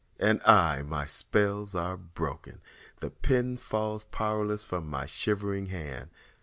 And I! my spells are broken. The pen falls powerless from my shivering hand.